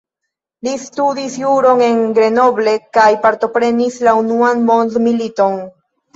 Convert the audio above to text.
Li studis juron en Grenoble kaj partoprenis la Unuan Mondmiliton.